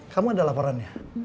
kamu ada laporan ya